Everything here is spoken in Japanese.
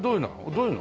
どういうの？